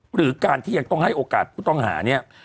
หรือการที่ยังต้องให้โอกาสผู้ต้องหาเนี่ย